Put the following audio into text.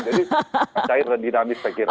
jadi cair dan dinamis saya kira